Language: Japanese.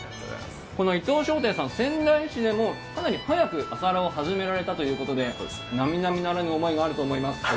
この伊藤商店さん、仙台市でもかなり早く朝ラーを始められたということで並々ならぬ思いがあると思います